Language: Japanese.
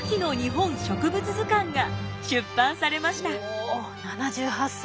お７８歳。